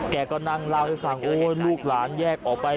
แกก็นั่งเล่าให้ฟังโอ๊ยลูกหลานแยกออกไป